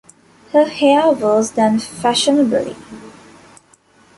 Her hair was done fashionably.